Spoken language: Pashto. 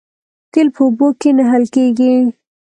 تیل په اوبو کې نه حل کېږي